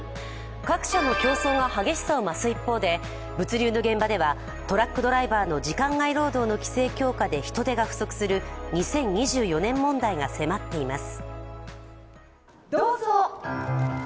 各社の競争が激しさを増す一方で、物流の現場ではトラックドライバーの時間外労働の規制強化で人手が不足する２０２４年問題が迫っています。